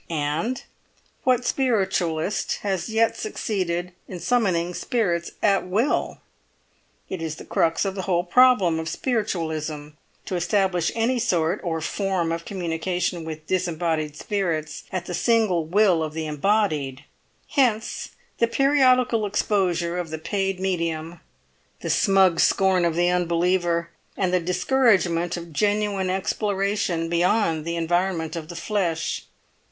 And what spiritualist has yet succeeded in summoning spirits at will? It is the crux of the whole problem of spiritualism, to establish any sort or form of communication with disembodied spirits at the single will of the embodied; hence the periodical exposure of the paid medium, the smug scorn of the unbeliever, and the discouragement of genuine exploration beyond the environment of the flesh.